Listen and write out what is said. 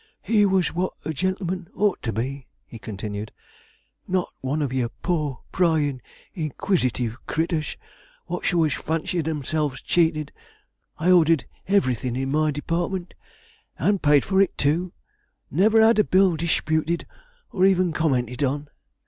'He was what a gentleman ought to be,' he continued, 'not one of your poor, pryin', inquisitive critturs, what's always fancyin' themselves cheated. I ordered everything in my department, and paid for it too; and never had a bill disputed or even commented on.